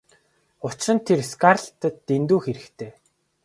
Учир нь тэр Скарлеттад дэндүү хэрэгтэй.